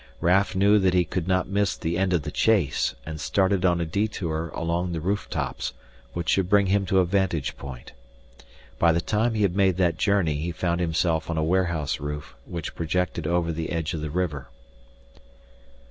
Raf knew that he could not miss the end of the chase and started on a detour along the roof tops which should bring him to a vantage point. By the time he had made that journey he found himself on a warehouse roof which projected over the edge of the river.